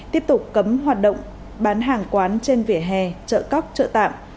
tiếp tục cấm hoạt động bán hàng quán trên vỉa hè chợ cóc chợ tạm